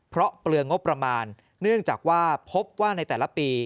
เพราะเปลืองงบประมาณเนื่องจากว่าพบว่าในแต่ละปี